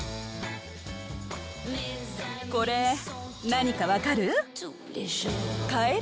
これ、何か分かる？